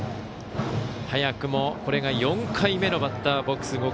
早くもこれが４回目のバッターボックス。